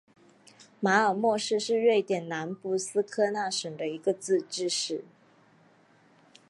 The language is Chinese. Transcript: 马尔默市是瑞典南部斯科讷省的一个自治市。